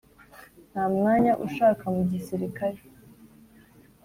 Ntamwanya ushaka mugisilikare?